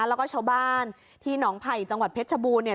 แล้วก็ชาวบ้านที่หนองไผ่จังหวัดเพชรชบูรณเนี่ย